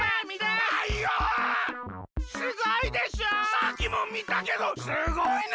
さっきもみたけどすごいね！